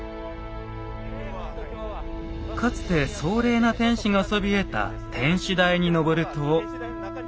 かつて壮麗な天守がそびえた天守台に上ると。